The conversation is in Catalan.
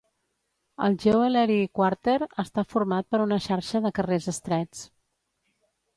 El Jewellery Quarter està format per una xarxa de carrers estrets.